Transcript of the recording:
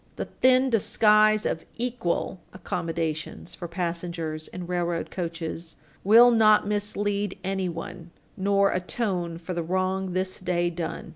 The thin disguise of "equal" accommodations for passengers in railroad coaches will not mislead anyone, nor atone for the wrong this day done.